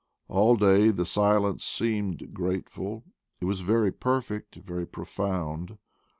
All day the silence seemed grateful, it was very perfect, very profound.